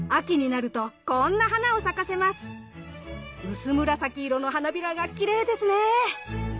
薄紫色の花びらがきれいですね！